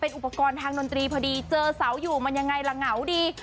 อุปกรณ์ทางดนตรีพอดีเจอเสาอยู่มันยังไงล่ะเหงาดี